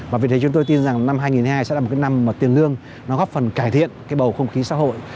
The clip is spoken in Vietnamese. và vì thế chúng tôi tin rằng năm hai nghìn hai mươi hai sẽ là một cái năm tiền lương nó góp phần cải thiện cái bầu không khí xã hội